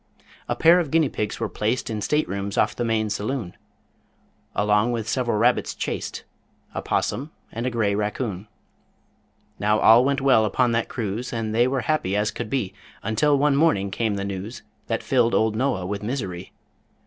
A pair of guinea pigs were placed In state rooms off the main saloon, Along with several rabbits chaste, A 'possum and a gray raccoon. Now all went well upon that cruise, And they were happy as could be, Until one morning came the news That filled old Noah with misery.